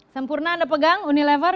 sempurna anda pegang unilever